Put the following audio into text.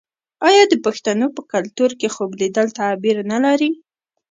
آیا د پښتنو په کلتور کې خوب لیدل تعبیر نلري؟